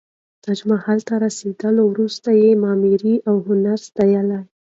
تاج محل ته رسېدو وروسته یې معماري او هنر ستایلی.